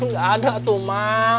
gak ada tuh mak